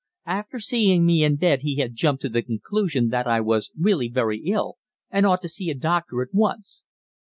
After seeing me in bed he had jumped to the conclusion that I was really very ill and ought to see a doctor at once.